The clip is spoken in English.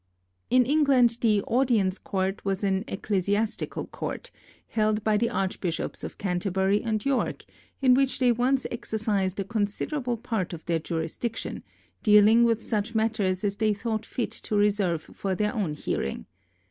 In England the Audience court was an ecclesiastical court, held by the archbishops of Canterbury and York, in which they once exercised a considerable part of their jurisdiction, dealing with such matters as they thought fit to reserve for their own hearing.